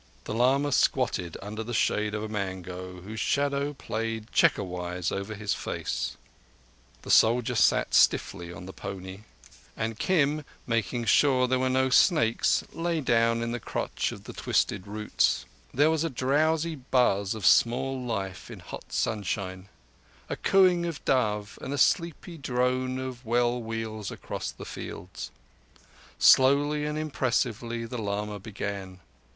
The lama squatted under the shade of a mango, whose shadow played checkerwise over his face; the soldier sat stiffly on the pony; and Kim, making sure that there were no snakes, lay down in the crotch of the twisted roots. There was a drowsy buzz of small life in hot sunshine, a cooing of doves, and a sleepy drone of well wheels across the fields. Slowly and impressively the lama began.